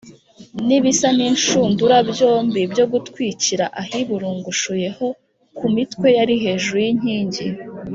n’ibisa n’inshundura byombi byo gutwikira ahiburungushuye ho ku mitwe yari hejuru y’inkingi